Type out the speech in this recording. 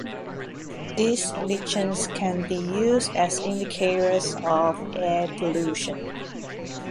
These lichens can be used as indicators of air pollution.